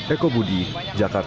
eko budi jakarta